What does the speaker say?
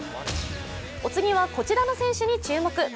お次はこちらの選手に注目。